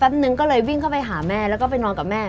นึงก็เลยวิ่งเข้าไปหาแม่แล้วก็ไปนอนกับแม่